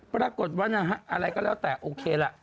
ปรากฏว่านะฮะอะไรก็แล้วแต่โอเคล่ะ